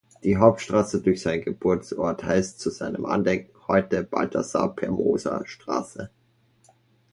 Die Hauptstraße durch seinen Geburtsort heißt zu seinem Andenken heute Balthasar-Permoser-Straße.